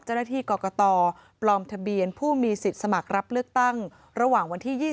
เจ้าหน้าที่กรกตปลอมทะเบียนผู้มีสิทธิ์สมัครรับเลือกตั้งระหว่างวันที่๒๒